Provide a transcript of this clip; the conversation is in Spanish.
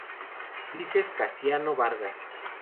Ulises Casiano Vargas.